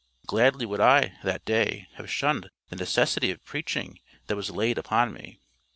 Gladly would I, that day, have shunned the necessity of preaching that was laid upon me.